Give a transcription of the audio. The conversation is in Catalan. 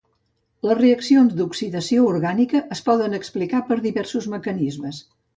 Les reaccions d'oxidació orgànica es poden explicar per diversos mecanismes.